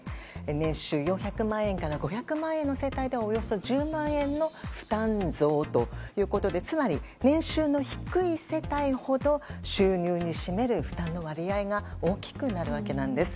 年収４００万円から５００万円の世帯ではおよそ１０万円の負担増ということでつまり年収の低い世帯ほど収入に占める負担の割合が大きくなるわけなんです。